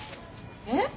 えっ？